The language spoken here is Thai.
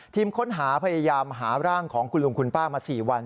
ทีมค้นหาพยายามหาร่างของคุณลุงคุณป้ามา๔วัน